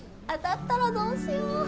当たったらどうしよう！？